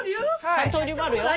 三刀流もあるよ。